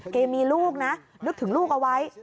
มีลูกนะนึกถึงลูกเอาไว้